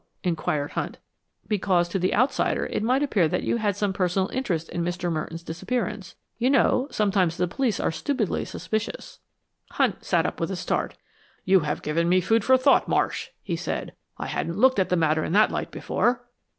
inquired Hunt. "Because to the outsider it might appear that you had some personal interest in Mr. Merton's disappearance. You know, sometimes the police are stupidly suspicious." Hunt sat up with a start. "You have given me food for thought, Marsh," he said. "I hadn't looked at the matter in that light before."